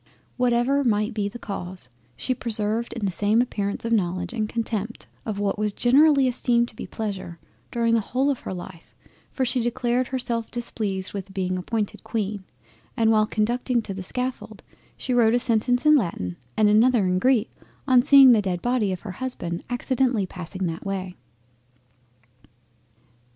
Whatever might be the cause, she preserved the same appearance of knowledge, and contempt of what was generally esteemed pleasure, during the whole of her life, for she declared herself displeased with being appointed Queen, and while conducting to the scaffold, she wrote a sentence in Latin and another in Greek on seeing the dead Body of her Husband accidentally passing that way.